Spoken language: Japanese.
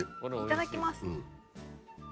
いただきます。